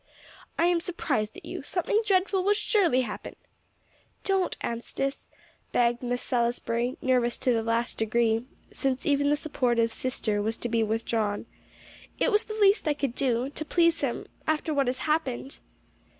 "I am surprised at you. Something dreadful will surely happen." "Don't, Anstice," begged Miss Salisbury, nervous to the last degree, since even the support of "sister" was to be withdrawn. "It was the least I could do, to please him after what has happened."